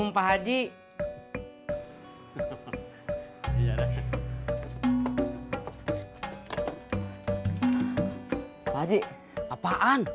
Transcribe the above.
pak haji apaan